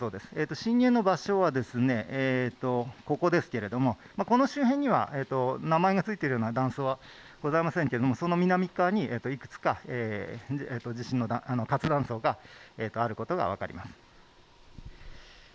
震源の場所はここですけれども、この周辺には名前が付いているような断層はございませんけれども南側にいくつか地震の活断層があることが分かります。